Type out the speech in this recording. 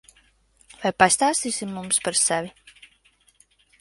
Vai pastāstīsi mums par sevi?